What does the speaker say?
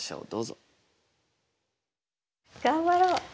頑張ろう！